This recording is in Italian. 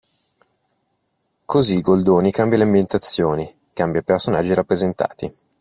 Così Goldoni cambia le ambientazioni, cambia i personaggi rappresentati.